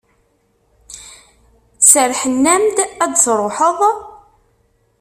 Serrḥen-am-d ad d-truḥeḍ?